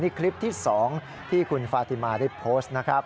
นี่คลิปที่๒ที่คุณฟาติมาได้โพสต์นะครับ